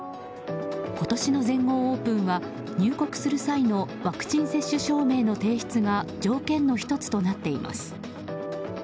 今年の全豪オープンは入国する際のワクチン接種証明の提出が条件の１つとなっています。